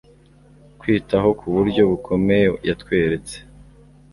kwitaho ku buryo bukomeye. Yatweretse